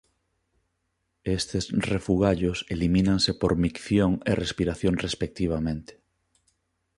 Estes refugallos elimínanse por micción e respiración respectivamente.